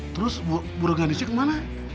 terus bu reganisnya kemana